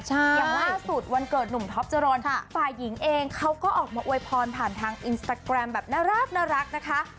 อย่างล่าสุดวันเกิดหนุ่มท็อปเจริญฝ่ายหญิงเองเขาก็ออกมาอวยพรผ่านทางอินสตาแกรมแบบน่ารักนะคะ